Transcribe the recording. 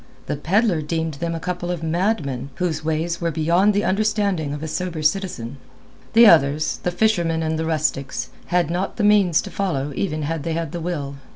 The pedlar deemed them a couple of madmen, whose ways were beyond the understanding of a sober citizen. The others—the fishermen and the rustics—had not the means to follow even had they had the will.